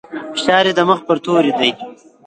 فشار يې د مخ پر توري دی.